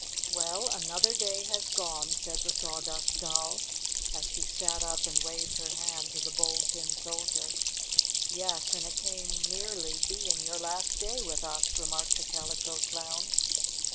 "Well, another day has gone!" said the Sawdust Doll, as she sat up and waved her hand to the Bold Tin Soldier. "Yes, and it came nearly being your last day with us," remarked the Calico Clown.